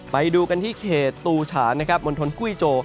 ไปดูกันที่เขตูฉานมณฑนกุ้ยโจ